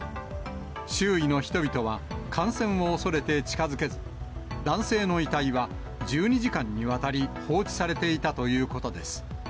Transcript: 周囲の人々は、感染を恐れて近づけず、男性の遺体は１２時間にわたり放置されていたということです。